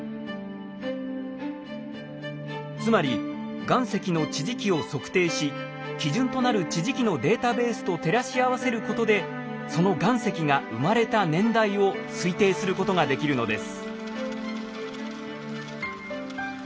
つまり岩石の地磁気を測定し基準となる地磁気のデータベースと照らし合わせることでその岩石が生まれた年代を推定することができるのです。